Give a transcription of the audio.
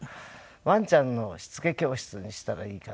ワンちゃんのしつけ教室にしたらいいかなと。